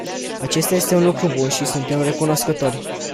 Acesta este un lucru bun și suntem recunoscători.